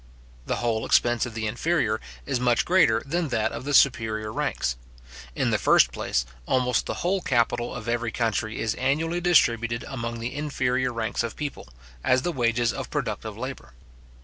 The whole expense of the inferior is much greater titan that of the superior ranks. In the first place, almost the whole capital of every country is annually distributed among the inferior ranks of people, as the wages of productive labour.